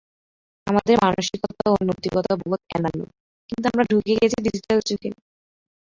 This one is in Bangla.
আমাদের মানসিকতা ও নৈতিকতাবোধ অ্যানালগ, কিন্তু আমরা ঢুকে গেছি ডিজিটাল যুগে।